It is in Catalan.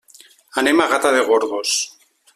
Anem a Gata de Gorgos.